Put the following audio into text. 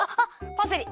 パセリ。